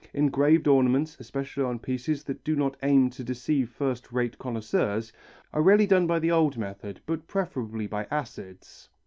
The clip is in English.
Engraved ornaments, especially on pieces that do not aim to deceive first rate connoisseurs, are rarely done by the old method but preferably by acids.